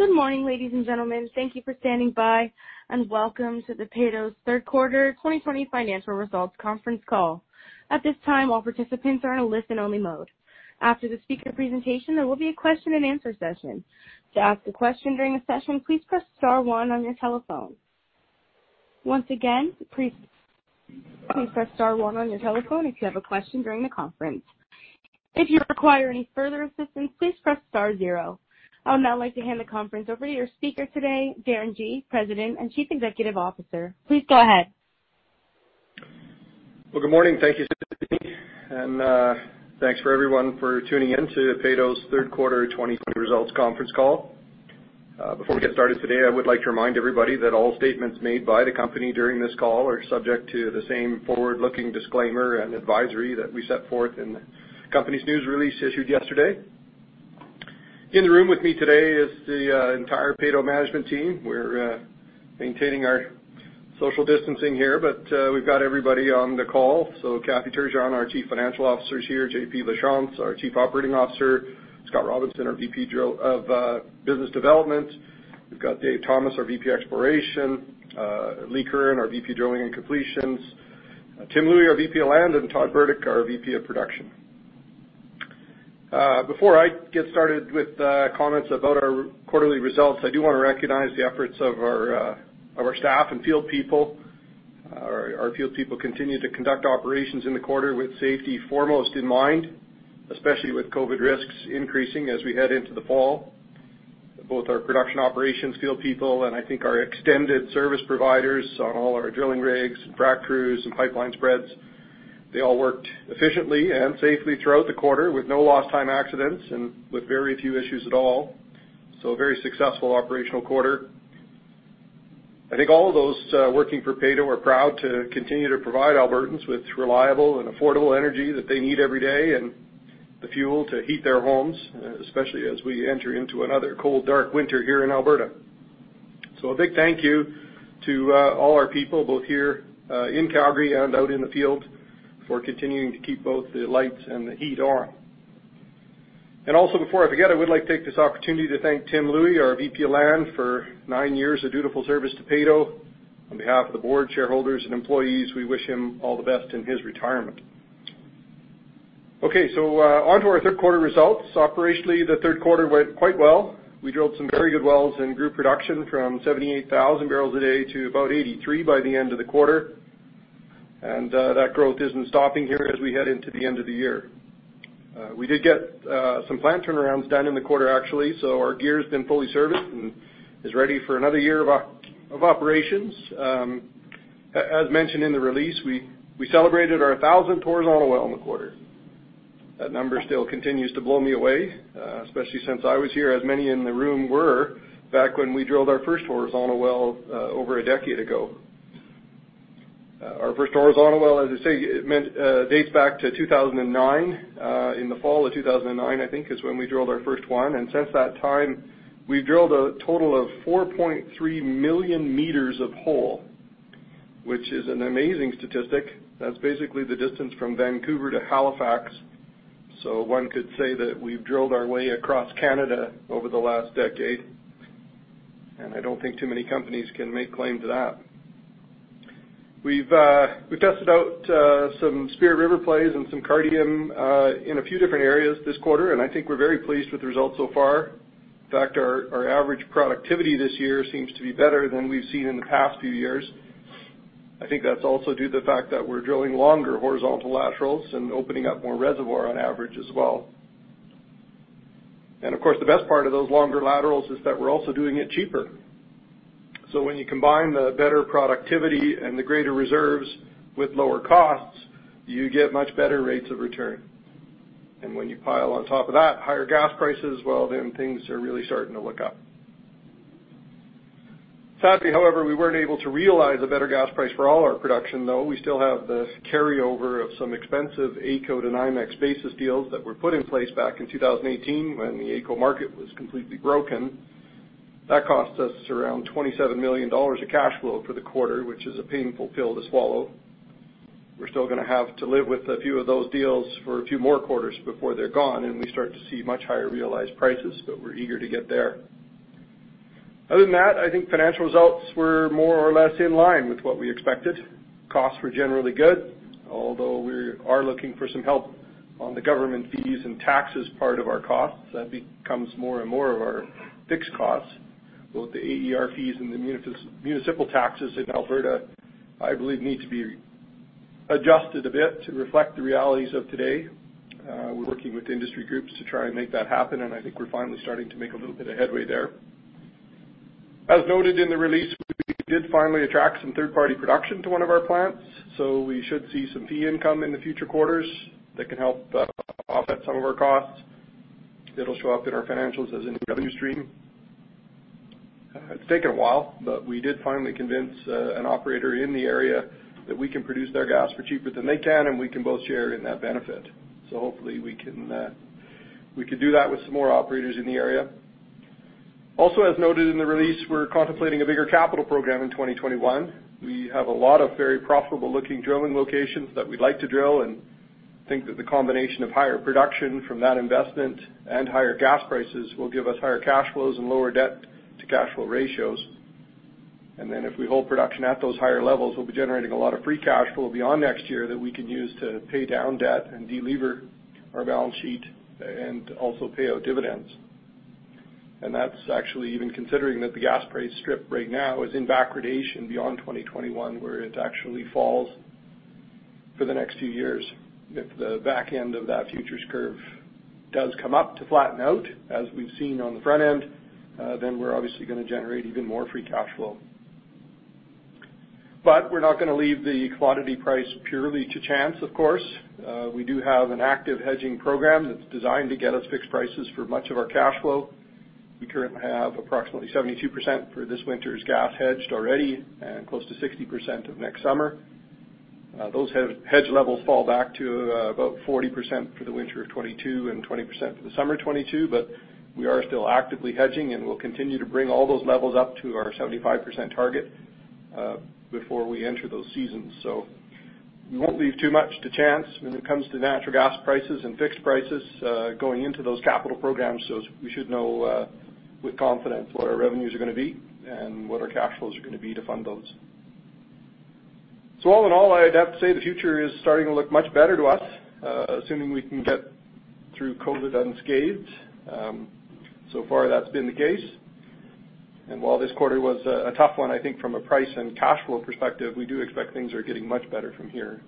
Good morning, ladies and gentlemen. Thank you for standing by, welcome to the Peyto Q3 2020 financial results conference call. At this time, all participants are in a listen-only mode. After the speaker presentation, there will be a question and answer session. To ask a question during the session, please press star one on your telephone. Once again, please press star one on your telephone if you have a question during the conference. If you require any further assistance, please press star zero. I would now like to hand the conference over to your speaker today, Darren Gee, President and Chief Executive Officer. Please go ahead. Well, good morning. Thank you, Sydney, and thanks for everyone for tuning in to Peyto's Q3 2020 results conference call. Before we get started today, I would like to remind everybody that all statements made by the company during this call are subject to the same forward-looking disclaimer and advisory that we set forth in the company's news release issued yesterday. In the room with me today is the entire Peyto management team. We're maintaining our social distancing here, but we've got everybody on the call. Kathy Turgeon, our Chief Financial Officer is here, JP Lachance, our Chief Operating Officer, Scott Robinson, our VP of Business Development. We've got Dave Thomas, our VP Exploration, Lee Curran, our VP Drilling and Completions, Tim Louie, our VP of Land, and Todd Burdick, our VP of Production. Before I get started with comments about our quarterly results, I do want to recognize the efforts of our staff and field people. Our field people continue to conduct operations in the quarter with safety foremost in mind, especially with COVID risks increasing as we head into the fall. Both our production operations field people and I think our extended service providers on all our drilling rigs and frac crews and pipeline spreads, they all worked efficiently and safely throughout the quarter with no lost time accidents and with very few issues at all. A very successful operational quarter. I think all of those working for Peyto are proud to continue to provide Albertans with reliable and affordable energy that they need every day and the fuel to heat their homes, especially as we enter into another cold, dark winter here in Alberta. A big thank you to all our people, both here in Calgary and out in the field, for continuing to keep both the lights and the heat on. Also, before I forget, I would like to take this opportunity to thank Tim Louie, our VP of Land, for nine years of dutiful service to Peyto. On behalf of the board, shareholders, and employees, we wish him all the best in his retirement. Okay, onto our Q3 results. Operationally, the Q3 went quite well. We drilled some very good wells and grew production from 78,000 barrels a day to about 83 by the end of the quarter. That growth isn't stopping here as we head into the end of the year. We did get some plant turnarounds done in the quarter, actually, so our gear's been fully serviced and is ready for another year of operations. As mentioned in the release, we celebrated our 1,000th horizontal well in the quarter. That number still continues to blow me away, especially since I was here, as many in the room were, back when we drilled our first horizontal well over a decade ago. Our first horizontal well, as I say, dates back to 2009. In the fall of 2009, I think, is when we drilled our first one. Since that time, we've drilled a total of 4.3 million meters of hole, which is an amazing statistic. That's basically the distance from Vancouver to Halifax. One could say that we've drilled our way across Canada over the last decade, and I don't think too many companies can make claim to that. We've tested out some Spirit River plays and some Cardium in a few different areas this quarter. I think we're very pleased with the results so far. In fact, our average productivity this year seems to be better than we've seen in the past few years. I think that's also due to the fact that we're drilling longer horizontal laterals and opening up more reservoir on average as well. Of course, the best part of those longer laterals is that we're also doing it cheaper. When you combine the better productivity and the greater reserves with lower costs, you get much better rates of return. When you pile on top of that higher gas prices, well, things are really starting to look up. Sadly, however, we weren't able to realize a better gas price for all our production, though. We still have the carryover of some expensive AECO to NYMEX basis deals that were put in place back in 2018 when the AECO market was completely broken. That cost us around 27 million dollars of cash flow for the quarter, which is a painful pill to swallow. We're still gonna have to live with a few of those deals for a few more quarters before they're gone, and we start to see much higher realized prices, but we're eager to get there. Other than that, I think financial results were more or less in line with what we expected. Costs were generally good, although we are looking for some help on the government fees and taxes part of our costs. That becomes more and more of our fixed costs. Both the AER fees and the municipal taxes in Alberta, I believe, need to be adjusted a bit to reflect the realities of today. We're working with industry groups to try and make that happen, and I think we're finally starting to make a little bit of headway there. As noted in the release, we did finally attract some third-party production to one of our plants, so we should see some fee income in the future quarters that can help offset some of our costs. It'll show up in our financials as a new revenue stream. It's taken a while, but we did finally convince an operator in the area that we can produce their gas for cheaper than they can, and we can both share in that benefit. Hopefully we can do that with some more operators in the area. As noted in the release, we're contemplating a bigger capital program in 2021. We have a lot of very profitable-looking drilling locations that we'd like to drill and think that the combination of higher production from that investment and higher gas prices will give us higher cash flows and lower debt to cash flow ratios. If we hold production at those higher levels, we'll be generating a lot of free cash flow beyond next year that we can use to pay down debt and de-lever our balance sheet, and also pay out dividends. That's actually even considering that the gas price strip right now is in backwardation beyond 2021, where it actually falls for the next two years. If the back end of that futures curve does come up to flatten out, as we've seen on the front end, then we're obviously going to generate even more free cash flow. We're not going to leave the commodity price purely to chance, of course. We do have an active hedging program that's designed to get us fixed prices for much of our cash flow. We currently have approximately 72% for this winter's gas hedged already and close to 60% of next summer. Those hedge levels fall back to about 40% for the winter of 2022 and 20% for the summer of 2022, but we are still actively hedging, and we'll continue to bring all those levels up to our 75% target before we enter those seasons. We won't leave too much to chance when it comes to natural gas prices and fixed prices going into those capital programs. We should know with confidence what our revenues are going to be and what our cash flows are going to be to fund those. All in all, I'd have to say the future is starting to look much better to us, assuming we can get through COVID unscathed. So far, that's been the case. While this quarter was a tough one, I think from a price and cash flow perspective, we do expect things are getting much better from here.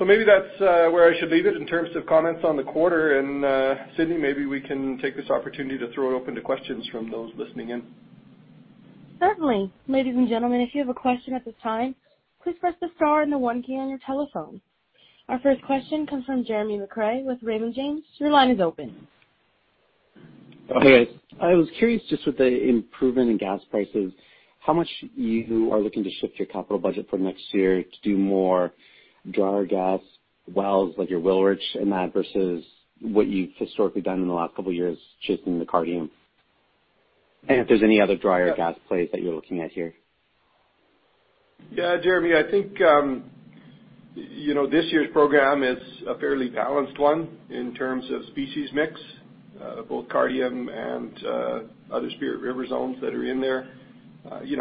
Maybe that's where I should leave it in terms of comments on the quarter. Sydney, maybe we can take this opportunity to throw it open to questions from those listening in. Certainly. Ladies and gentlemen, if you have a question at this time, please press the star and the one key on your telephone. Our first question comes from Jeremy McCrea with Raymond James. Your line is open. Okay. I was curious just with the improvement in gas prices, how much you are looking to shift your capital budget for next year to do more dry gas wells, like your Wilrich and that, versus what you've historically done in the last couple of years just in the Cardium. If there's any other dry gas plays that you're looking at here. Jeremy, I think this year's program is a fairly balanced one in terms of species mix both Cardium and other Spirit River zones that are in there.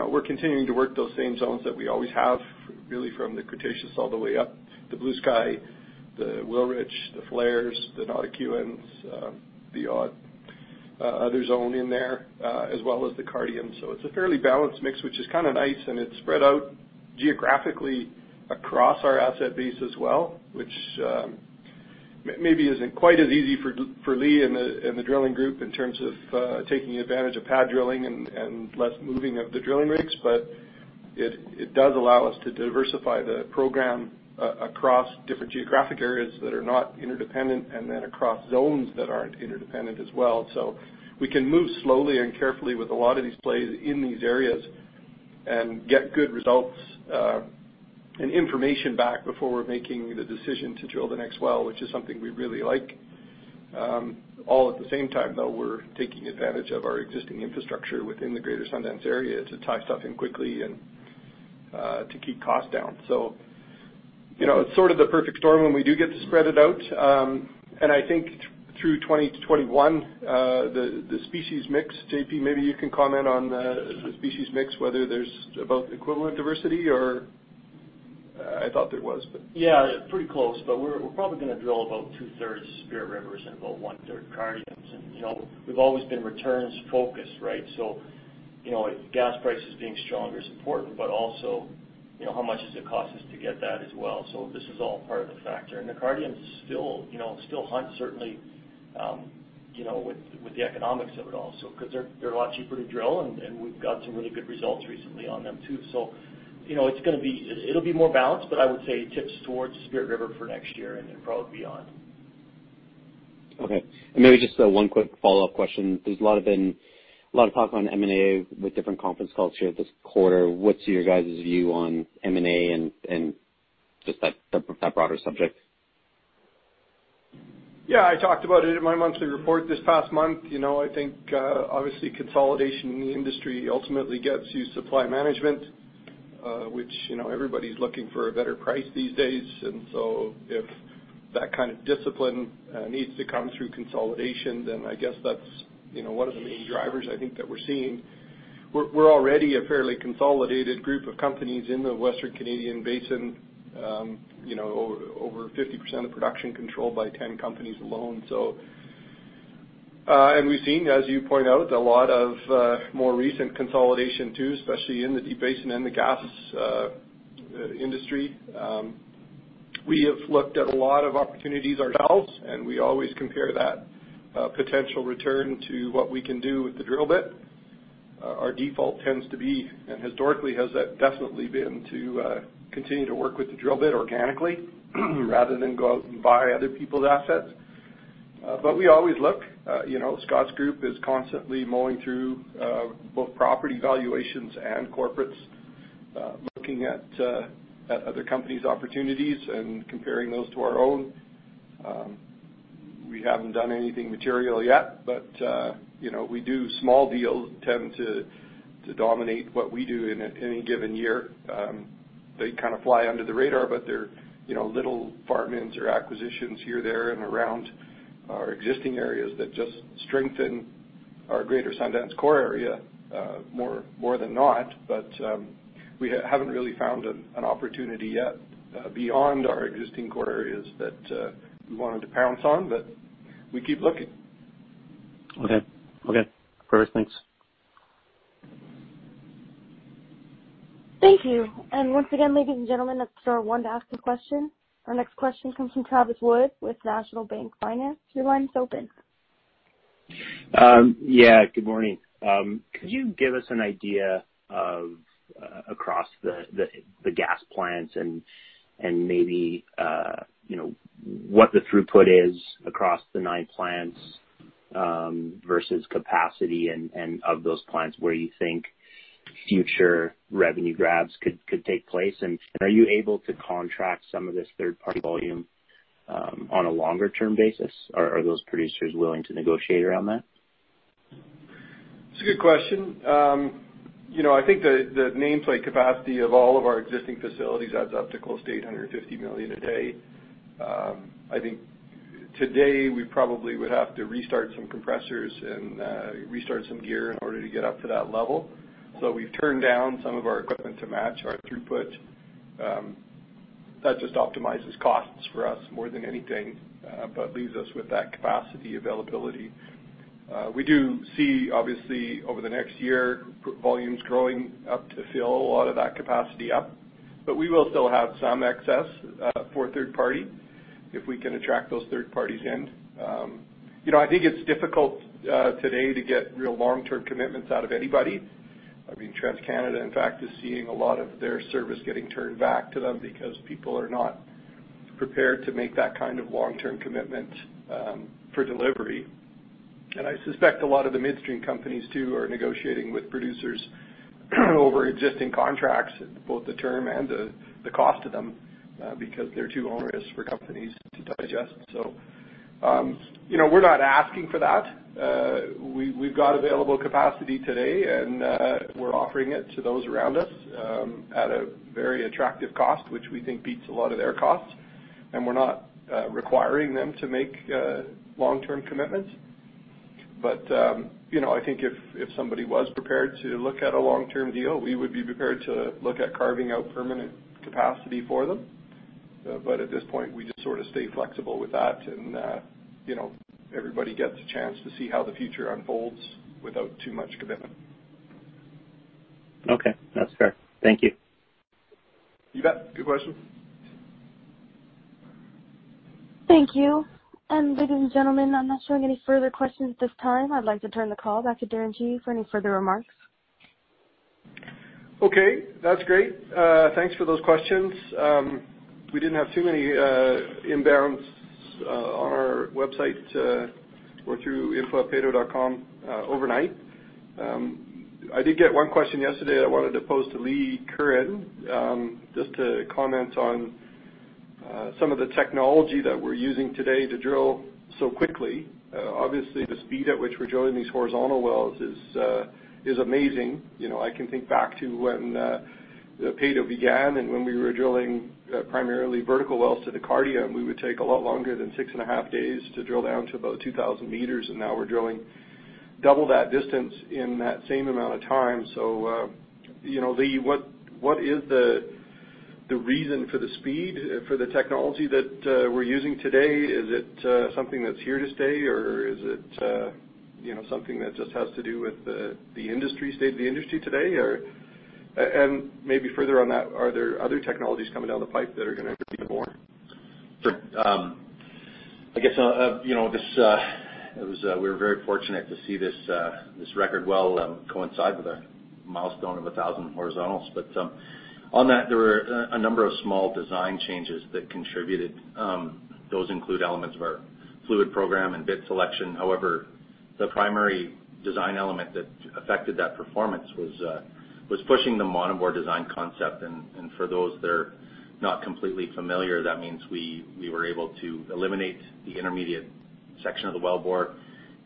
We're continuing to work those same zones that we always have, really from the Cretaceous all the way up, the Bluesky, the Wilrich, the Falher, the Notikewin the Odd other zone in there as well as the Cardium. It's a fairly balanced mix, which is nice, and it's spread out geographically across our asset base as well, which maybe isn't quite as easy for Lee and the drilling group in terms of taking advantage of pad drilling and less moving of the drilling rigs. It does allow us to diversify the program across different geographic areas that are not interdependent and then across zones that aren't interdependent as well. We can move slowly and carefully with a lot of these plays in these areas and get good results and information back before we're making the decision to drill the next well, which is something we really like. All at the same time, though, we're taking advantage of our existing infrastructure within the greater Sundance area to tie stuff in quickly and to keep costs down. It's sort of the perfect storm when we do get to spread it out. I think through 2021, the species mix, JP, maybe you can comment on the species mix, whether there's about equivalent diversity. Yeah, pretty close. We're probably going to drill about two-thirds Spirit River and about one-third Cardium. We've always been returns focused, right? Gas prices being stronger is important, but also, how much does it cost us to get that as well? This is all part of the factor. The Cardium's still hot, certainly with the economics of it all. Because they're a lot cheaper to drill, and we've got some really good results recently on them, too. It'll be more balanced, but I would say it tips towards Spirit River for next year and then probably beyond. Okay. Maybe just one quick follow-up question. There's a lot of talk on M&A with different conference calls here this quarter. What's your guys' view on M&A and just that broader subject? Yeah, I talked about it in my monthly report this past month. I think obviously consolidation in the industry ultimately gets you supply management, which everybody's looking for a better price these days. If that kind of discipline needs to come through consolidation, then I guess that's one of the main drivers I think that we're seeing. We're already a fairly consolidated group of companies in the Western Canadian Basin over 50% of production controlled by 10 companies alone. We've seen, as you point out, a lot of more recent consolidation, too, especially in the Deep Basin and the gas industry. We have looked at a lot of opportunities ourselves, and we always compare that potential return to what we can do with the drill bit. Our default tends to be, and historically has definitely been, to continue to work with the drill bit organically rather than go out and buy other people's assets. We always look. Scott's group is constantly mowing through both property valuations and corporates looking at other companies' opportunities and comparing those to our own. We haven't done anything material yet. We do small deals tend to dominate what we do in any given year. They kind of fly under the radar. They're little farm-ins or acquisitions here, there, and around our existing areas that just strengthen our greater Sundance core area more than not. We haven't really found an opportunity yet beyond our existing core areas that we wanted to pounce on, but we keep looking. Okay. Perfect. Thanks. Thank you. Once again, ladies and gentlemen, that's our one to ask a question. Our next question comes from Travis Wood with National Bank Financial. Your line's open. Yeah, good morning. Could you give us an idea of across the gas plants and maybe what the throughput is across the nine plants versus capacity and of those plants where you think future revenue grabs could take place? Are you able to contract some of this third-party volume on a longer-term basis? Are those producers willing to negotiate around that? It's a good question. I think the nameplate capacity of all of our existing facilities adds up to close to 850 million a day. I think today we probably would have to restart some compressors and restart some gear in order to get up to that level. We've turned down some of our equipment to match our throughput. That just optimizes costs for us more than anything, but leaves us with that capacity availability. We do see, obviously, over the next year, volumes growing up to fill a lot of that capacity up, but we will still have some excess for a third party if we can attract those third parties in. I think it's difficult today to get real long-term commitments out of anybody. TransCanada, in fact, is seeing a lot of their service getting turned back to them because people are not prepared to make that kind of long-term commitment for delivery. I suspect a lot of the midstream companies, too, are negotiating with producers over existing contracts, both the term and the cost of them because they're too onerous for companies to digest. We're not asking for that. We've got available capacity today, and we're offering it to those around us at a very attractive cost, which we think beats a lot of their costs, and we're not requiring them to make long-term commitments. I think if somebody was prepared to look at a long-term deal, we would be prepared to look at carving out permanent capacity for them. At this point, we just sort of stay flexible with that and everybody gets a chance to see how the future unfolds without too much commitment. Okay. That's fair. Thank you. You bet. Good question. Thank you. Ladies and gentlemen, I'm not showing any further questions at this time. I'd like to turn the call back to Darren Gee for any further remarks. Okay, that's great. Thanks for those questions. We didn't have too many inbounds on our website or through info@peyto.com overnight. I did get one question yesterday that I wanted to pose to Lee Curran, just to comment on some of the technology that we're using today to drill so quickly. Obviously, the speed at which we're drilling these horizontal wells is amazing. I can think back to when Peyto began and when we were drilling primarily vertical wells to the Cardium, we would take a lot longer than six and a half days to drill down to about 2,000 meters, and now we're drilling double that distance in that same amount of time. So Lee, what is the reason for the speed for the technology that we're using today? Is it something that's here to stay, or is it something that just has to do with the state of the industry today? Maybe further on that, are there other technologies coming down the pipe that are going to be more? Sure. I guess we were very fortunate to see this record well coincide with a milestone of 1,000 horizontals. On that, there were a number of small design changes that contributed. Those include elements of our fluid program and bit selection. However, the primary design element that affected that performance was pushing the monobore design concept. For those that are not completely familiar, that means we were able to eliminate the intermediate section of the well bore,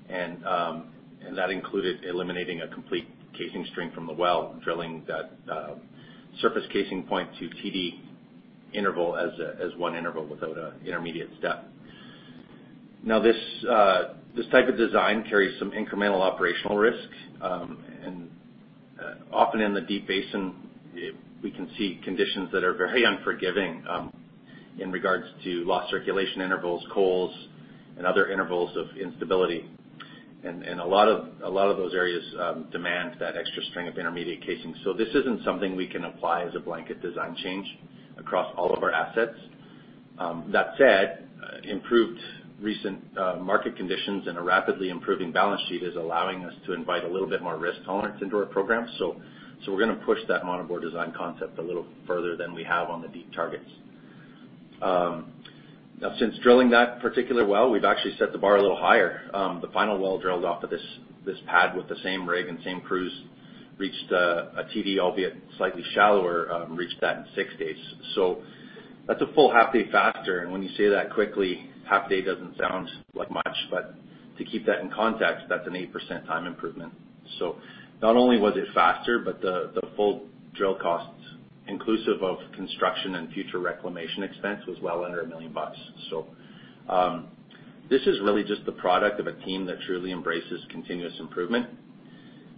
and that included eliminating a complete casing string from the well, drilling that surface casing point to TD interval as one interval without an intermediate step. Now, this type of design carries some incremental operational risk. Often in the Deep Basin, we can see conditions that are very unforgiving in regards to lost circulation intervals, coals, and other intervals of instability. A lot of those areas demand that extra string of intermediate casing. This isn't something we can apply as a blanket design change across all of our assets. That said, improved recent market conditions and a rapidly improving balance sheet is allowing us to invite a little bit more risk tolerance into our program. We're going to push that monobore design concept a little further than we have on the deep targets. Now, since drilling that particular well, we've actually set the bar a little higher. The final well drilled off of this pad with the same rig and same crews reached a TD, albeit slightly shallower, reached that in six days. That's a full half day faster. When you say that quickly, half day doesn't sound like much, but to keep that in context, that's an 8% time improvement. Not only was it faster, but the full drill costs, inclusive of construction and future reclamation expense, was well under 1 million bucks. This is really just the product of a team that truly embraces continuous improvement.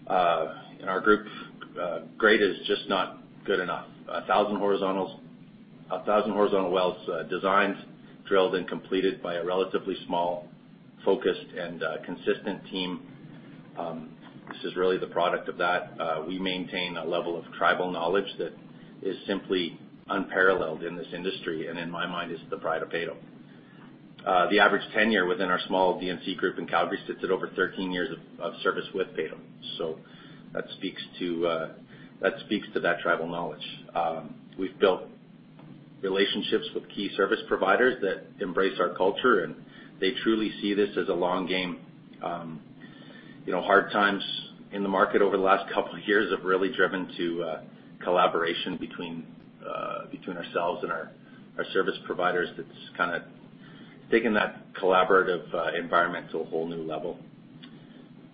In our group, great is just not good enough. 1,000 horizontal wells designed, drilled, and completed by a relatively small, focused, and consistent team. This is really the product of that. We maintain a level of tribal knowledge that is simply unparalleled in this industry, and in my mind, is the pride of Peyto. The average tenure within our small D&C group in Calgary sits at over 13 years of service with Peyto. That speaks to that tribal knowledge. We've built relationships with key service providers that embrace our culture, and they truly see this as a long game. Hard times in the market over the last couple of years have really driven to collaboration between ourselves and our service providers that's taken that collaborative environment to a whole new level.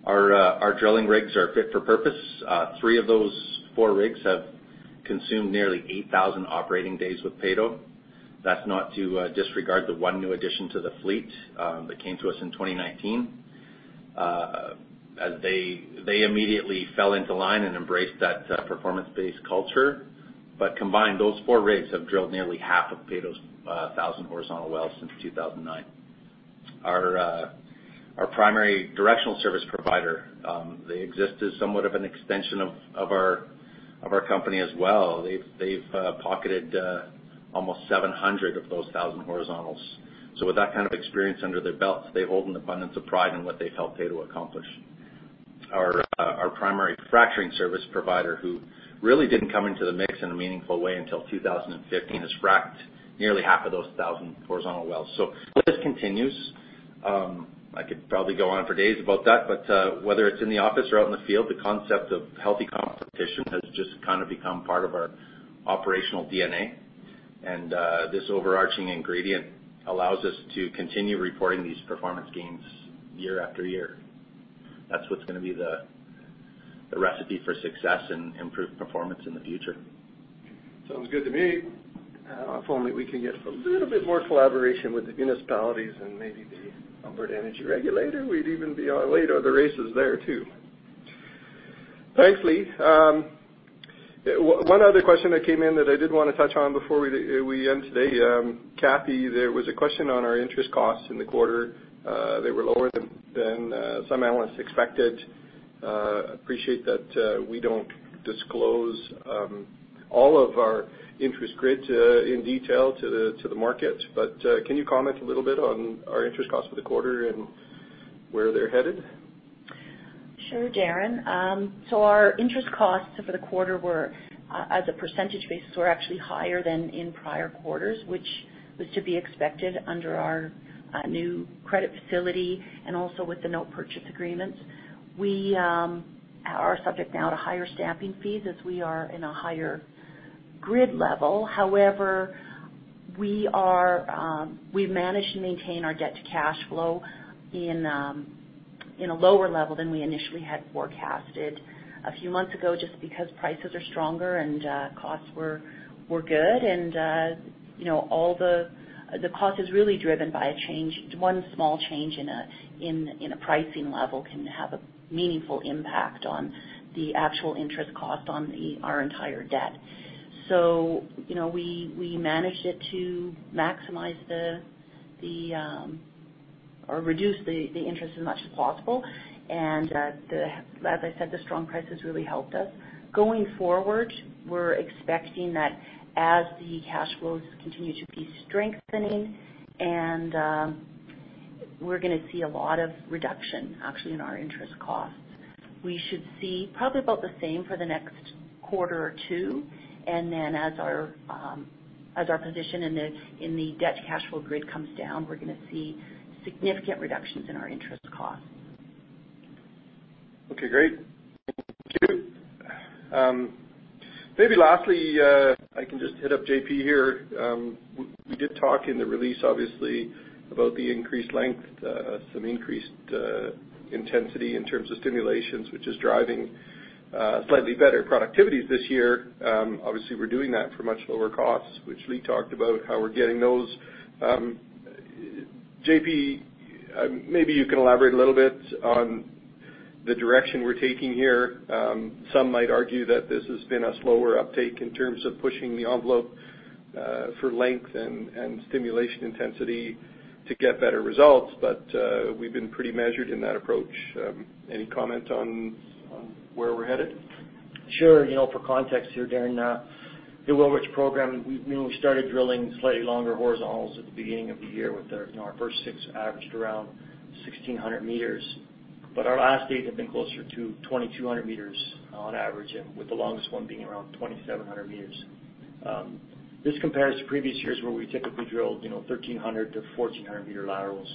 Our drilling rigs are fit for purpose. Three of those four rigs have consumed nearly 8,000 operating days with Peyto. That's not to disregard the one new addition to the fleet that came to us in 2019. As they immediately fell into line and embraced that performance-based culture. Combined, those four rigs have drilled nearly half of Peyto's 1,000 horizontal wells since 2009. Our primary directional service provider, they exist as somewhat of an extension of our company as well. They've pocketed almost 700 of those 1,000 horizontals. With that kind of experience under their belt, they hold an abundance of pride in what they've helped Peyto accomplish. Our primary fracturing service provider, who really didn't come into the mix in a meaningful way until 2015, has fracked nearly half of those 1,000 horizontal wells. This continues. I could probably go on for days about that, whether it's in the office or out in the field, the concept of healthy competition has just become part of our operational DNA. This overarching ingredient allows us to continue reporting these performance gains year after year. That's what's going to be the recipe for success and improved performance in the future. Sounds good to me. If only we could get a little bit more collaboration with the municipalities and maybe the Alberta Energy Regulator, we'd even be our way to the races there, too. Thanks, Lee. One other question that came in that I did want to touch on before we end today. Kathy, there was a question on our interest costs in the quarter. They were lower than some analysts expected. Appreciate that we don't disclose all of our interest grid in detail to the market. Can you comment a little bit on our interest cost for the quarter and where they're headed? Sure, Darren. Our interest costs for the quarter as a percentage basis, were actually higher than in prior quarters, which was to be expected under our new credit facility and also with the note purchase agreements. We are subject now to higher stamping fees as we are in a higher grid level. However, we've managed to maintain our debt to cash flow in a lower level than we initially had forecasted a few months ago, just because prices are stronger and costs were good. The cost is really driven by a change. One small change in a pricing level can have a meaningful impact on the actual interest cost on our entire debt. We managed it to maximize or reduce the interest as much as possible. As I said, the strong prices really helped us. Going forward, we're expecting that as the cash flows continue to be strengthening, and we're going to see a lot of reduction, actually, in our interest costs. We should see probably about the same for the next quarter or two, and then as our position in the debt to cash flow grid comes down, we're going to see significant reductions in our interest costs. Okay, great. Thank you. Maybe lastly, I can just hit up JP here. We did talk in the release, obviously, about the increased length, some increased intensity in terms of stimulations, which is driving slightly better productivities this year. Obviously, we're doing that for much lower costs, which Lee talked about how we're getting those. JP, maybe you can elaborate a little bit on the direction we're taking here. Some might argue that this has been a slower uptake in terms of pushing the envelope for length and stimulation intensity to get better results. We've been pretty measured in that approach. Any comment on where we're headed? Sure. For context here, Darren, the Wilrich program, we started drilling slightly longer horizontals at the beginning of the year with our first six averaged around 1,600 meters. Our last eight have been closer to 2,200 meters on average, and with the longest one being around 2,700 meters. This compares to previous years where we typically drilled 1,300 to 1,400-meter laterals.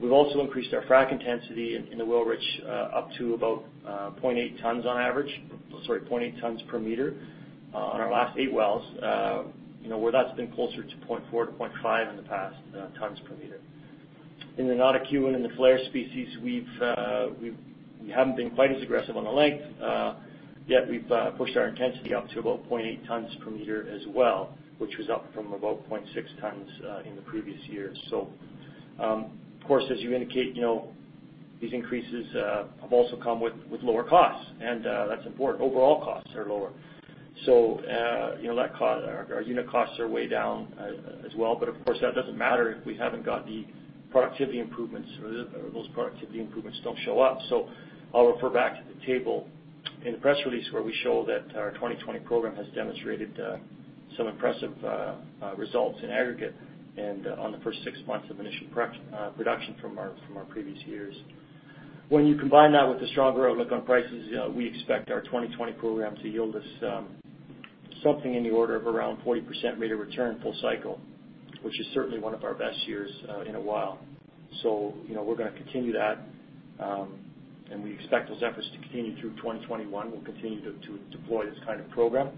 We've also increased our frac intensity in the Wilrich up to about 0.8 tons on average. Sorry, 0.8 tons per meter on our last eight wells where that's been closer to 0.4 to 0.5 in the past, tons per meter. In the Notikewin and the Falher species, we haven't been quite as aggressive on the length. Yet we've pushed our intensity up to about 0.8 tons per meter as well, which was up from about 0.6 tons in the previous year. Of course, as you indicate, these increases have also come with lower costs, and that's important. Overall costs are lower. Our unit costs are way down as well, but of course, that doesn't matter if we haven't got the productivity improvements or those productivity improvements don't show up. I'll refer back to the table in the press release where we show that our 2020 program has demonstrated some impressive results in aggregate and on the first six months of initial production from our previous years. When you combine that with the stronger outlook on prices, we expect our 2020 program to yield us something in the order of around 40% rate of return full cycle, which is certainly one of our best years in a while. We're going to continue that, and we expect those efforts to continue through 2021. We'll continue to deploy this kind of program,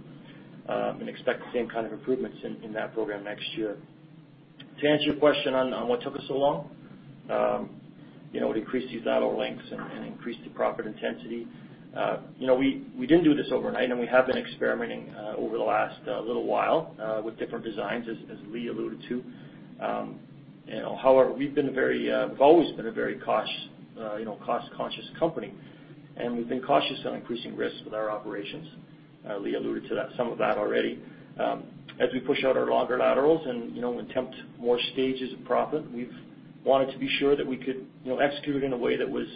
and expect the same kind of improvements in that program next year. To answer your question on what took us so long to increase these lateral lengths and increase the proppant intensity. We didn't do this overnight. We have been experimenting over the last little while with different designs, as Lee alluded to. However, we've always been a very cost-conscious company, and we've been cautious on increasing risks with our operations. Lee alluded to some of that already. As we push out our longer laterals and attempt more stages of proppant, we've wanted to be sure that we could execute it in a way that was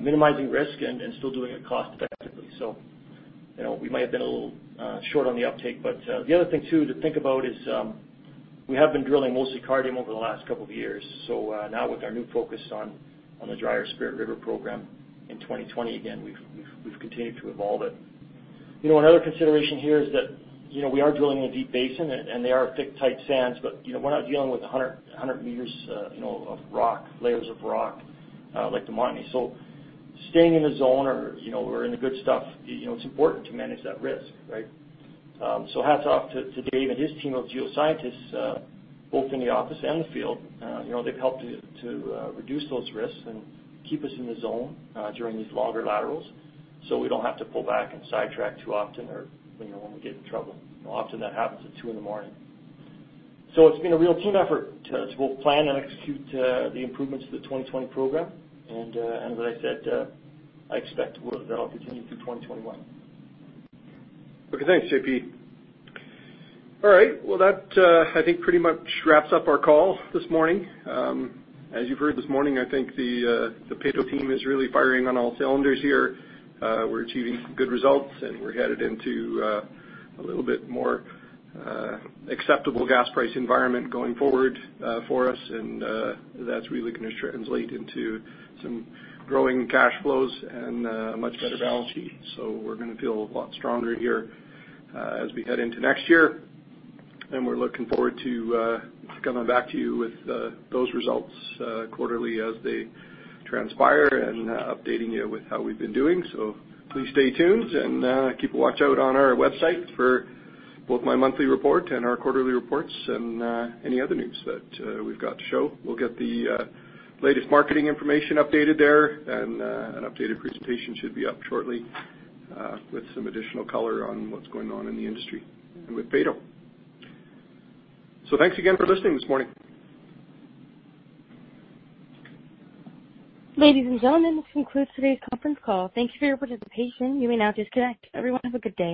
minimizing risk and still doing it cost-effectively. We might have been a little short on the uptake, but the other thing, too, to think about is we have been drilling mostly Cardium over the last couple of years. Now with our new focus on the drier Spirit River program in 2020, again, we've continued to evolve it. One other consideration here is that we are drilling in a deep basin, and they are thick, tight sands, but we're not dealing with 100 meters of layers of rock like the Montney. Staying in the zone or in the good stuff, it's important to manage that risk, right? Hats off to Dave and his team of geoscientists both in the office and the field. They've helped to reduce those risks and keep us in the zone during these longer laterals so we don't have to pull back and sidetrack too often or when we get in trouble. Often, that happens at 2:00 A.M. It's been a real team effort to both plan and execute the improvements to the 2020 program, and as I said, I expect that will continue through 2021. Okay. Thanks, JP. All right. Well, that I think pretty much wraps up our call this morning. As you've heard this morning, I think the Peyto team is really firing on all cylinders here. We're achieving some good results, and we're headed into a little bit more acceptable gas price environment going forward for us, and that's really going to translate into some growing cash flows and a much better balance sheet. We're going to feel a lot stronger here as we head into next year, and we're looking forward to coming back to you with those results quarterly as they transpire and updating you with how we've been doing. Please stay tuned, and keep a watch out on our website for both my monthly report and our quarterly reports and any other news that we've got to show. We'll get the latest marketing information updated there, and an updated presentation should be up shortly with some additional color on what's going on in the industry and with Peyto. Thanks again for listening this morning. Ladies and gentlemen, this concludes today's conference call. Thank you for your participation. You may now disconnect. Everyone, have a good day.